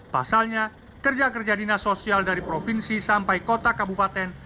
pasalnya kerja kerja dinas sosial dari provinsi sampai kota kabupaten